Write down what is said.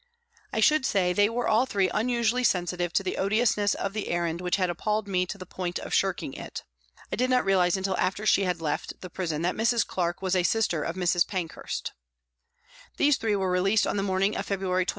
I should say they were all three unusually sensitive to the odiousness of the errand which had appalled me to the point of shirking it. I did not realise until after she had left the prison that Mrs. Clarke was a sister of Mrs. Pankhurst.* These three were released on the morning of February 27.